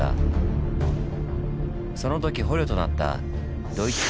その時捕虜となったドイツ兵